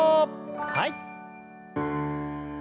はい。